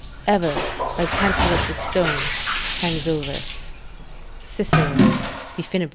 ["Ever, like Tantalus stone, hangs over us." Cicero, De Finib.